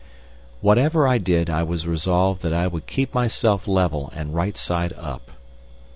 Whatever I did I was resolved that I would keep myself level and right side up.